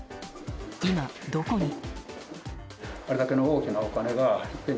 今どこに。